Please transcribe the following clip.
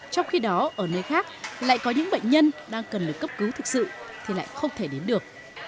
trong khi đó ở nơi khác lại có những bệnh nhân đang cần được cấp cứu thực sự thì lại không thể đến được